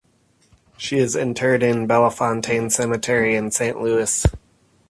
She is interred in Bellefontaine Cemetery in Saint Louis.